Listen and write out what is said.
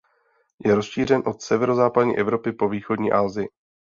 Je rozšířen od severozápadní Evropy po východní Asii.